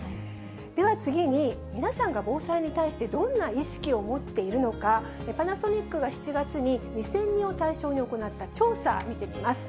では次に、皆さんが防災に対して、どんな意識を持っているのか、パナソニックが７月に２０００人を対象に行った調査、見てみます。